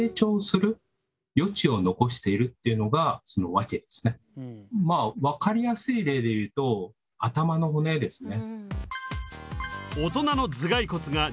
成人になるとまあ分かりやすい例で言うと頭の骨ですね。